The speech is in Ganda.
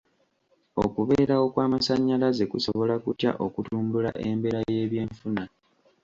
Okubeerawo kw'amasanyalaze kusobola kutya okutumbula embeera y'eby'enfuna?